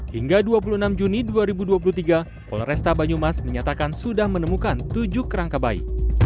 hingga dua puluh enam juni dua ribu dua puluh tiga polresta banyumas menyatakan sudah menemukan tujuh kerangka bayi